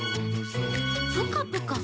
「プカプカ？